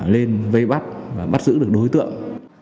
lên vây bắt và bắt giữ được đối tượng